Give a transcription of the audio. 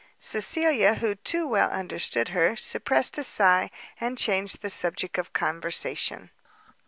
Cecilia, who too well understood her, suppressed a sigh, and changed the subject of conversation.